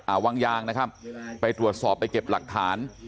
วังยางนะครับไปตรวจสอบไปเก็บหลักฐาน